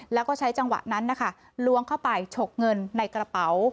แล้วก็ใช้จังหวะนั้นนะคะล้วงเข้าไปฉกเงินในกระเป๋า